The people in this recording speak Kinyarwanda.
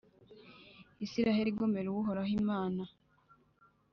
Israheli igomera Uhoraho Imana